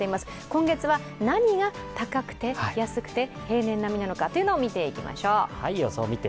今月は何が高くて安くて平年並みなのかというのを見ていきましょう。